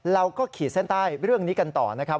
ขีดเส้นใต้เรื่องนี้กันต่อนะครับ